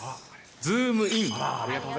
ズームイン！！